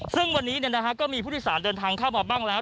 ซึ่งวันนี้ก็มีผู้โดยสารเดินทางเข้ามาบ้างแล้ว